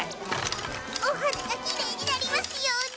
お肌がきれいになりますように。